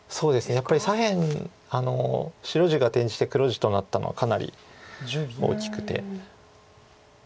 やっぱり左辺白地が転じて黒地となったのはかなり大きくて。